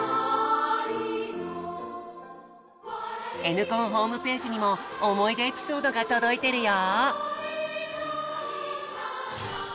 「Ｎコン」ホームページにも思い出エピソードが届いてるよ！